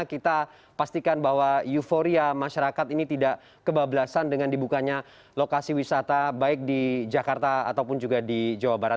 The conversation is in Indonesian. kita pastikan bahwa euforia masyarakat ini tidak kebablasan dengan dibukanya lokasi wisata baik di jakarta ataupun juga di jawa barat